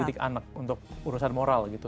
didik anak untuk urusan moral gitu